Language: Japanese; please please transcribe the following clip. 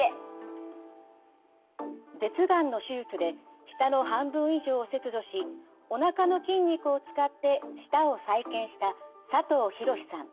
舌がんの手術で舌の半分以上を切除しおなかの筋肉を使って舌を再建した佐藤博さん。